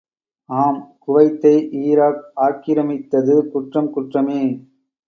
ஆம் குவைத்தை ஈராக் ஆக்கிரமித்தது குற்றம் குற்றமே!